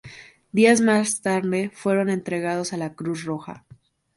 Días más tarde fueron entregados a la Cruz Roja.